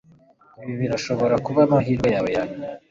Ibi birashobora kuba amahirwe yawe yanyuma